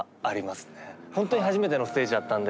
ほんとに初めてのステージだったんで。